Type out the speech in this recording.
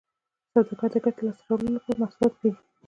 سوداګر د ګټې لاسته راوړلو لپاره محصولات پېري